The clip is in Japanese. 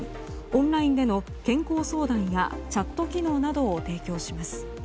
オンラインでの健康相談やチャット機能などを提供します。